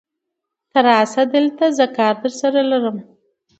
ته راشه دلته، زه کار درسره لرم.